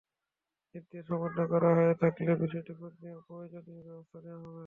নির্দেশ অমান্য করা হয়ে থাকলে বিষয়টি খোঁজ নিয়ে প্রয়োজনীয় ব্যবস্থা নেওয়া হবে।